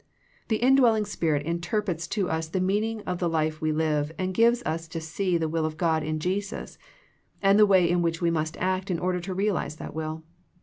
The indwelling Spirit interprets to us the meaning of the life we live and gives us to see the will of God in Jesus, and the way in which we must act in order to realize that will.